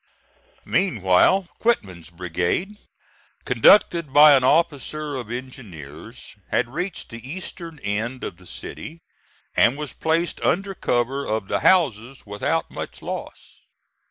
Meanwhile Quitman's brigade, conducted by an officer of engineers, had reached the eastern end of the city, and was placed under cover of the houses without much loss.